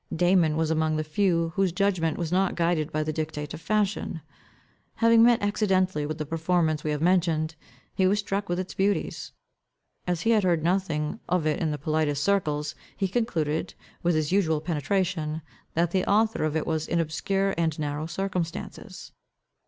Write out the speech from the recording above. Damon was among the few whose judgment was not guided by the dictate of fashion. Having met accidentally with the performance we have mentioned, he was struck with its beauties. As he had heard nothing of it in the politest circles, he concluded, with his usual penetration, that the author of it was in obscure and narrow circumstances.